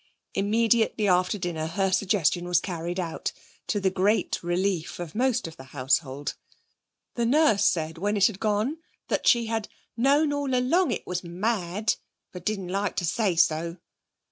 Immediately after dinner her suggestion was carried out, to the great relief of most of the household. The nurse said when it had gone that she had 'known all along it was mad, but didn't like to say so.'